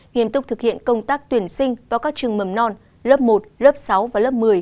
nghiêm túc thực hiện công tác tuyển sinh vào các trường mầm non lớp một lớp sáu và lớp một mươi